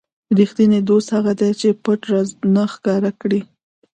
ریښتینی دوست هغه دی چې پټ راز نه ښکاره کړي.